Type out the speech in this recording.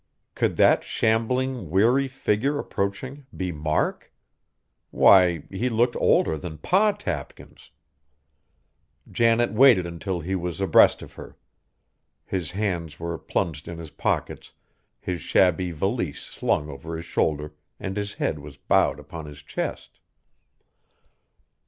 Could that shambling, weary figure approaching be Mark? Why, he looked older than Pa Tapkins! Janet waited until he was abreast of her. His hands were plunged in his pockets, his shabby valise slung over his shoulder, and his head was bowed upon his chest.